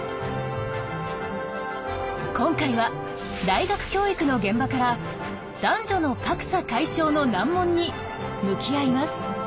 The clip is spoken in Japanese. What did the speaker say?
今回は大学教育の現場から男女の格差解消の難問に向き合います。